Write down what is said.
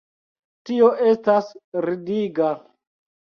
Tio estas ridiga.